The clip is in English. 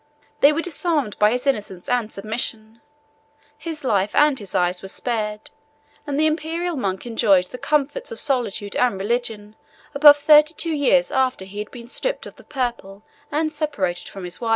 They were disarmed by his innocence and submission; his life and his eyes were spared; and the Imperial monk enjoyed the comforts of solitude and religion above thirty two years after he had been stripped of the purple and separated from his wife.